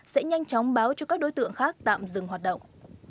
sẽ nhanh chóng báo cho các đối tượng khác tạm dừng hoạt động